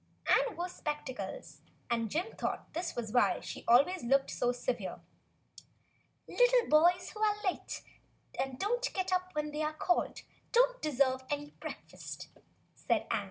Ann wore spectacles, and Jim thought this was why she always looked so severe. "Little boys who are late and don't get up when they are called don't deserve any breakfast," said Ann.